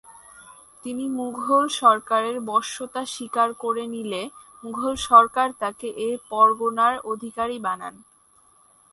তিনি মুঘল সরকারের বশ্যতা স্বীকার করে নিলে মুঘল সরকার তাকে এ পরগণার অধিকারী বানান।